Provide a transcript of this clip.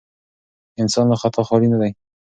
انسان له خطا خالي نه دی.